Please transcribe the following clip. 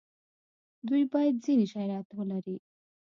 دوی باید ځینې شرایط ولري.